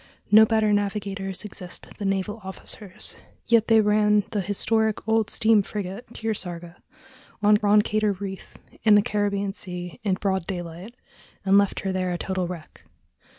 No better navigators exist than naval officers, yet they ran the historic old steam frigate Kearsarge on Roncador Reef, in the Caribbean Sea, in broad daylight, and left her there a total wreck.